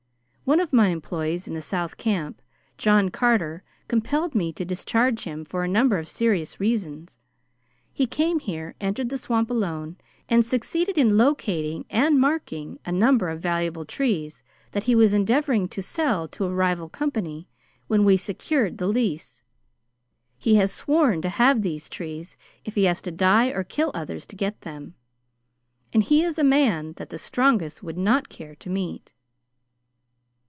One of my employees at the south camp, John Carter, compelled me to discharge him for a number of serious reasons. He came here, entered the swamp alone, and succeeded in locating and marking a number of valuable trees that he was endeavoring to sell to a rival company when we secured the lease. He has sworn to have these trees if he has to die or to kill others to get them; and he is a man that the strongest would not care to meet."